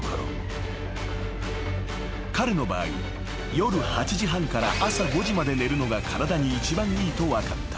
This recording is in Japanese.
［彼の場合夜８時半から朝５時まで寝るのが体に一番いいと分かった］